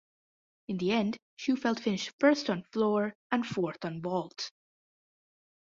In the end, Shewfelt finished first on Floor and fourth on Vault.